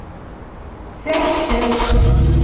«Сәп-сәп...»